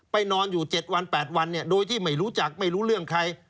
นอนอยู่๗วัน๘วันโดยที่ไม่รู้จักไม่รู้เรื่องใคร